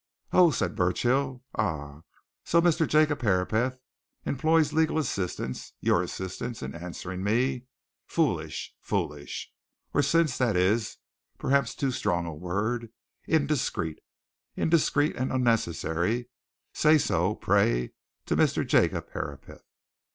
"Oh!" said Burchill. "Ah! So Mr. Jacob Herapath employs legal assistance your assistance in answering me? Foolish foolish! Or, since that is, perhaps, too strong a word indiscreet. Indiscreet and unnecessary. Say so, pray, to Mr. Jacob Herapath."